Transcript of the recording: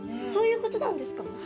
そういうことなんですか？